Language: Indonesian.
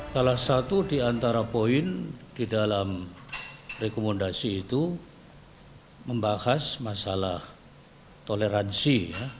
salah satu di antara poin di dalam rekomendasi itu membahas masalah toleransi